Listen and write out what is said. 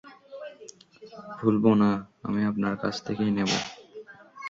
ভুলবো না, আমি আপনার কাছ থেকেই নেবো।